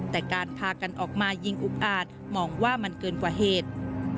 แต่การพากันออกมายิงอุกอาจมองว่ามันเกินกว่าเหตุ